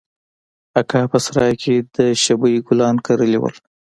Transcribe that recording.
اکا په سراى کښې د شبۍ ګلان کرلي وو.